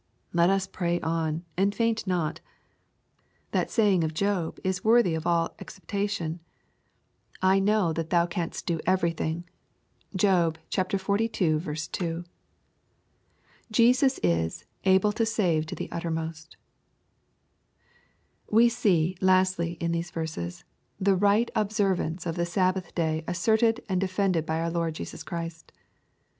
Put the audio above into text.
Let us pray on, and faint not. That saying of Job is worthy of all ac 6 122 EXPOSITORY THOUGHTS. ceptation: "I know that thou canst dv> overything.*' (Ji)b xlii. 2.) Jesus is " able to save to the uttermost/' We see, lastly, in these verses, the right observance <^ the Sabbath day asserted and defended by our Lord Jesui Christ.